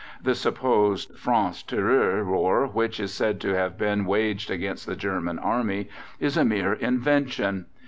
The supposed "France Tireur" War, which is said to have been waged against the German Army, is a mere invention.